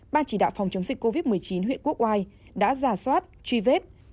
ban chỉ đạo phòng chống dịch covid một mươi chín huyện quốc oai đã giả soát truy vết